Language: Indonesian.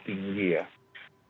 tinggi ya bahkan